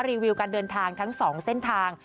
รีวิวการเดินทางทั้ง๒เส้นทาง